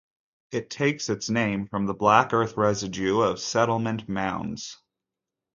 It takes its name from the "black earth" residue of settlement mounds.